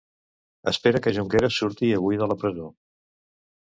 Espera que Junqueras surti avui de la presó.